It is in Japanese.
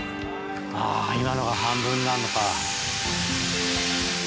ああ今のが半分なのか。